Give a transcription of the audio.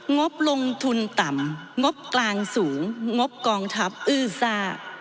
งบลงทุนต่ำงบกลางสูงงบกองทัพอื้อซ่า